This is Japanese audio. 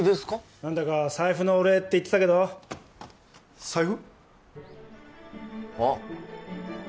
何だか財布のお礼って言ってたけど財布？